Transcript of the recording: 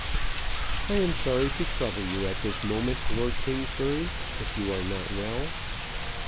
"I am sorry to trouble you at this moment, Lord Kingsbury, if you are not well."